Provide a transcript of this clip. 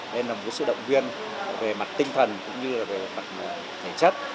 nên là một sự động viên về mặt tinh thần cũng như là về mặt thể chất